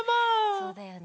そうだよね。